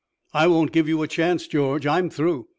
"I won't give you a chance, George. I'm through.